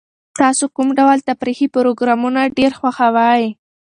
تاسو کوم ډول تفریحي پروګرامونه ډېر خوښوئ؟